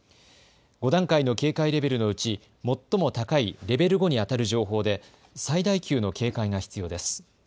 ５段階の警戒レベルのうち最も高いレベル５にあたる情報で最大級の警戒が必要です。